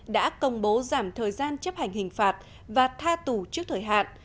đã công bố giảm thời gian chấp hành hình phạt và tha tù trước thời hạn